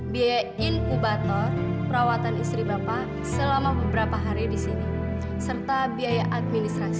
biaya inkubator perawatan istri bapak selama beberapa hari di sini serta biaya administrasi